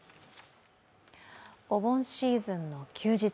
お盆シーズンの休日。